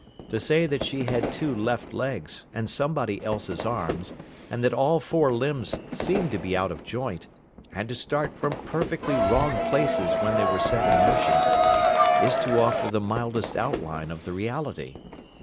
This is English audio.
To say that she had two left legs, and somebody else's arms, and that all four limbs seemed to be out of joint, and to start from perfectly wrong places when they were set in motion, is to offer the mildest outline of the reality.